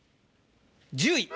１０位。